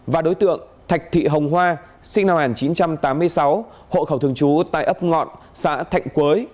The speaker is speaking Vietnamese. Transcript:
và đối tượng thạch thị hồng hoa sinh năm một nghìn chín trăm tám mươi sáu hộ khẩu thường trú tại ấp ngọn xã thạnh quới